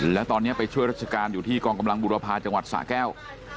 แล้วตอนนี้ไปช่วยราชการอยู่ที่กองกำลังบุรพาจังหวัดสะแก้ว